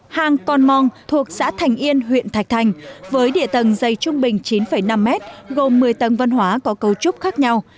hàng con mong thuộc xã thành yên huyện thạch thành với địa tầng dày trung bình chín năm mét gồm một mươi tầng văn hóa có cấu trúc khác nhau